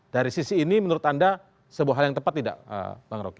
dari sisi ini menurut anda sebuah hal yang tepat tidak bang rocky